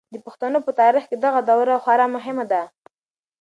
د پښتنو په تاریخ کې دغه دوره خورا مهمه ده.